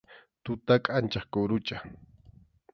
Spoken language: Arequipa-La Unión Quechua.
Tuta kʼanchaq kurucha.